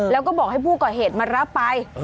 แล้วก็บอกให้ผู้ก่อเหตุมารับไป